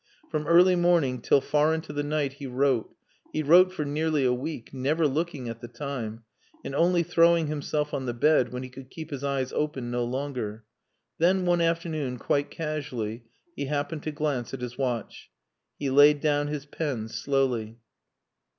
From early morning till far into the night he wrote, he wrote for nearly a week; never looking at the time, and only throwing himself on the bed when he could keep his eyes open no longer. Then, one afternoon, quite casually, he happened to glance at his watch. He laid down his pen slowly.